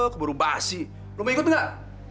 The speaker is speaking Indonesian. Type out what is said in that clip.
keburu basi lo mau ikut nggak